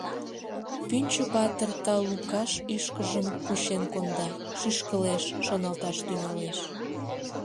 Пӱнчӧ-патыр талукаш ӱшкыжым кучен конда, шӱшкылеш, шолташ тӱҥалеш.